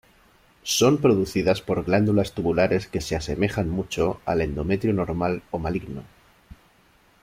Son producidas por glándulas tubulares que se asemejan mucho al endometrio normal o maligno.